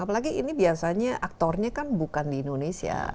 apalagi ini biasanya aktornya kan bukan di indonesia